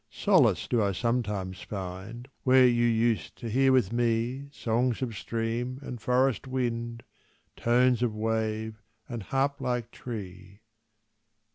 Solace do I sometimes find Where you used to hear with me Songs of stream and forest wind, Tones of wave and harp like tree.